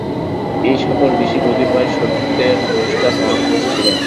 এই-সকল ঋষি কতিপয় সত্যের দ্রষ্টা মহাপুরুষ ছিলেন।